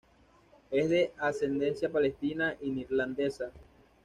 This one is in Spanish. Es de ascendencia palestina y neerlandesa.